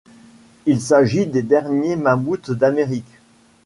Il s'agit des derniers mammouths d'Amérique.